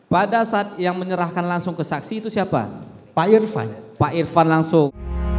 pada saat yang menyerahkan langsung ke saksi itu siapa pak irfan pak irfan langsung